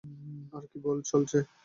আর কী চলছে?